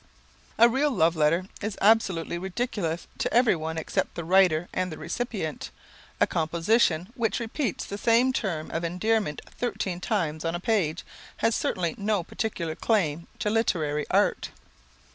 A real love letter is absolutely ridiculous to everyone except the writer and the recipient. A composition, which repeats the same term of endearment thirteen times on a page, has certainly no particular claim to literary art.